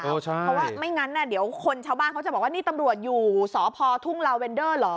เพราะว่าไม่งั้นเดี๋ยวคนชาวบ้านเขาจะบอกว่านี่ตำรวจอยู่สพทุ่งลาเวนเดอร์เหรอ